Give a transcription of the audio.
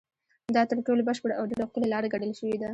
دا تر ټولو بشپړه او ډېره ښکلې لاره ګڼل شوې ده.